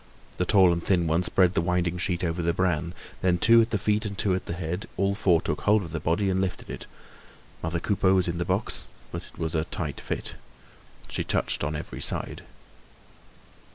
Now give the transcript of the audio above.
The tall and thin one spread the winding sheet over the bran. Then, two at the feet and two at the head, all four took hold of the body and lifted it. Mother Coupeau was in the box, but it was a tight fit. She touched on every side.